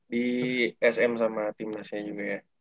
di sm sama tim nasinya juga ya